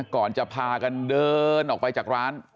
ก่อนจะพากันเดินออกไปจากร้าน